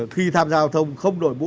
khi tham giao thông không đội mũ